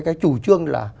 cái chủ trương là